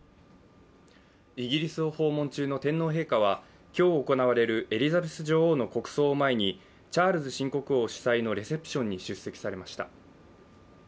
イギリスを訪問中の天皇陛下は、今日行われるエリザベス女王の国葬を前にチャールズ新国王主催のレセプションに出席されました。